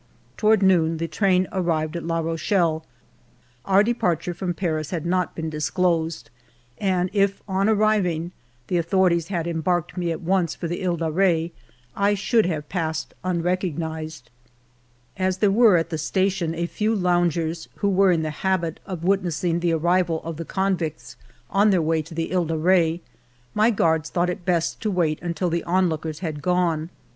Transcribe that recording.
Toward noon the train arrived at La Rochelle. Our departure from Paris had not been disclosed, and if, on arriving, the authorities had embarked me at once for the He de Re, I should have passed unrecognized. ALFRED DREYFUS 75 As there were at the station a few loungers who were in the habit of witnessing the arrival ot the convicts on their way to the He de Re, my guards thought it best to wait until the onlookers had gone.